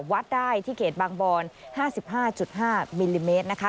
วัดได้ที่เขตบางบอนห้าสิบห้าจุดห้ามิลลิเมตรนะคะ